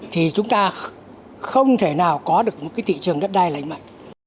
thì chúng ta không thể nào có được một cái thị trường đất đai lãnh mạnh